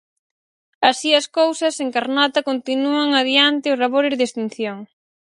Así as cousas, en Carnota continúan adiante os labores de extinción.